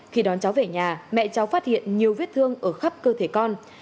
khi đón cháu về nhà mẹ cháu phát hiện nhiều vết thương ở khắp cơ thể con